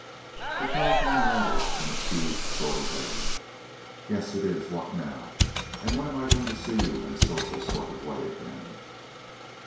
The telephone rattled in a peeved sort of way. "Yes, it is. What now? And when am I going to see you in a social sort of way again?"